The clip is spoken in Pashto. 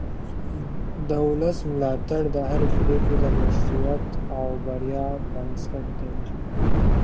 د ولس ملاتړ د هرې پرېکړې د مشروعیت او بریا بنسټ دی